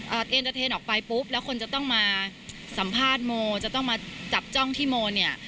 เอ็นเตอร์เทนออกไปปุ๊บแล้วคนจะต้องมาสัมภาษณ์โมจะต้องมาจับจ้องที่โมเนี่ย